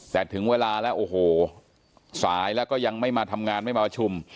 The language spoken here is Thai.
แต่ถึงเวลาแล้วโอ้โหสายแล้วก็ยังไม่มาทำงานไม่มาประชุม